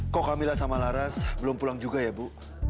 kok kamila sama laras belum pulang juga ya bu